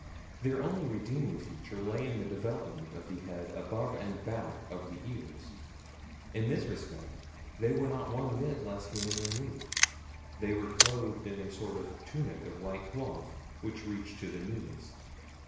Their only redeeming feature lay in the development of the head above and back of the ears. In this respect they were not one whit less human than we. They were clothed in a sort of tunic of light cloth which reached to the knees.